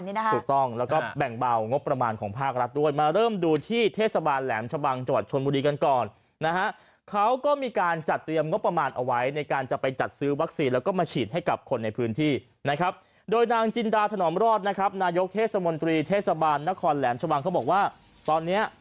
นี่นะคะถูกต้องแล้วก็แบ่งเบางบประมาณของภาครัฐด้วยมาเริ่มดูที่เทศบาลแหลมชะบังจังหวัดชนบุรีกันก่อนนะฮะเขาก็มีการจัดเตรียมงบประมาณเอาไว้ในการจะไปจัดซื้อวัคซีนแล้วก็มาฉีดให้กับคนในพื้นที่นะครับโดยนางจินดาถนอมรอดนะครับนายกเทศมนตรีเทศบาลนครแหลมชะบังเขาบอกว่าตอนเนี้ย